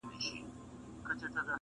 د بلبل په نوم هیچا نه وو بللی؛